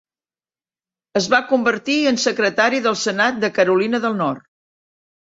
Es va convertir en secretari del senat de Carolina del Nord.